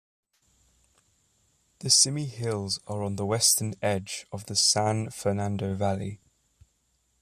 The Simi Hills are on the western edge of the San Fernando Valley.